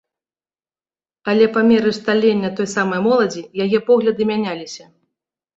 Але па меры сталення той самай моладзі, яе погляды мяняліся.